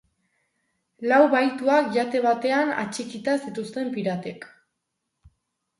Lau bahituak yate batean atxikita zituzten piratek.